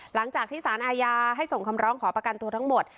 หลังจากที่สารอาญาให้ส่งคำร้องขอประกันตัวทั้งหมด